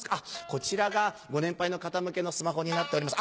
「こちらがご年配の方向けのスマホになっております」。